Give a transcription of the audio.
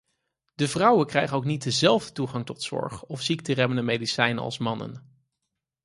De vrouwen krijgen ook niet dezelfde toegang tot zorg of ziekteremmende medicijnen als mannen.